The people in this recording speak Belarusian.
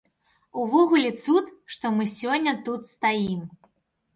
Увогуле цуд, што мы сёння тут стаім.